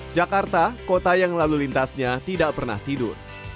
jakarta kota yang lalu lintasnya tidak pernah tidur